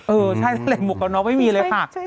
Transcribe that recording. เออใช่เลยหมวกกันนอกไม่มีเลยภักดิ์